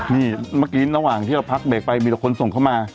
นี่เมื่อกี้ระหว่างที่เราพักเบรกไปมีแต่คนส่งเข้ามา